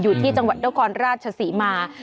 อยู่ที่จังหวัดด้วยกรรภ์ราชศรีมา